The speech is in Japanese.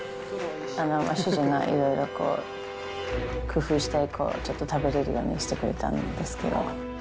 主人がいろいろこう、工夫して、ちょっと食べれるようにしてくれたんですけど。